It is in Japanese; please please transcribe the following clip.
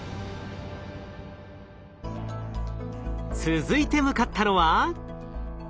続いて向かったのは。